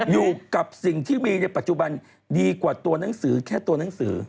อยู่กับสิ่งที่มีในปัจจุบันดีกว่าตัวหนังสือแค่ตัวหนังสือ